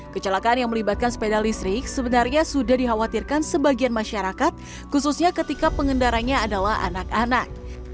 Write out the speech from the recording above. kecelakaan yang melibatkan sepeda listrik sebenarnya sudah dikhawatirkan sebagian masyarakat khususnya ketika pengendaranya adalah anak anak